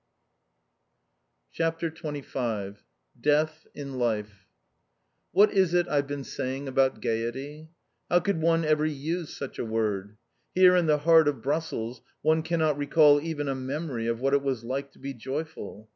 CHAPTER XXV DEATH IN LIFE What is it I've been saying about gaiety? How could one ever use such a word? Here in the heart of Brussels one cannot recall even a memory of what it was like to be joyful!